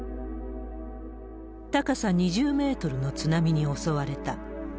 高さ２０メートルの津波に襲われた。